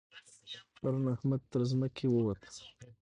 پرون احمد تر ځمکې ووت.